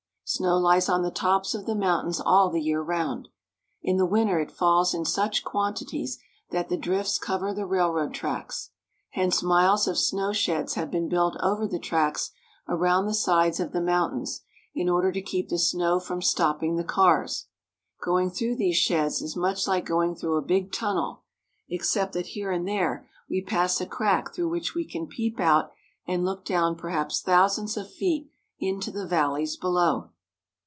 Snow lies on the tops of the mountains all the year round. In the winter it falls in such quantities that the drifts cover the railroad tracks ; hence miles of snowsheds have been built over the tracks around the sides of the mountains, in order to keep the snow from stopping the cars. Going through these sheds is much like going through a big tun nel, except that, here and there, we pass a crack through which we can peep out and look down perhaps thousands of feet into the valleys below.